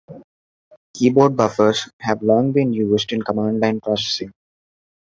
Keyboard buffers have long been used in command-line processing.